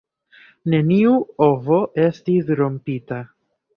Neniu ovo estis rompita.